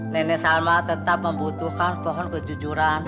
nenek salma tetap membutuhkan pohon kejujuran